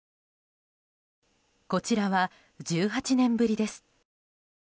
こちらは、１８年ぶりです。